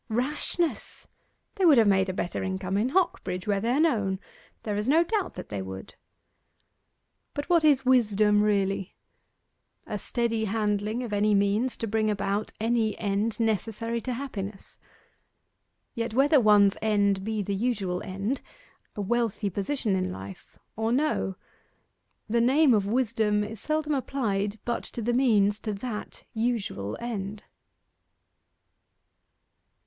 'Rashness; they would have made a better income in Hocbridge, where they are known! There is no doubt that they would.' But what is Wisdom really? A steady handling of any means to bring about any end necessary to happiness. Yet whether one's end be the usual end a wealthy position in life or no, the name of wisdom is seldom applied but to the means to that usual end.